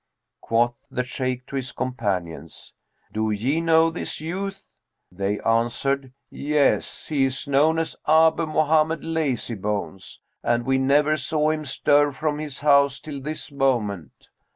Quoth the Shaykh to his companions, 'Do ye know this youth?' They answered, 'Yes, he is known as Abu Mohammed Lazybones, and we never saw him stir from his house till this moment.'